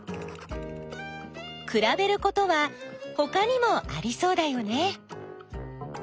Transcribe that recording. くらべることはほかにもありそうだよね！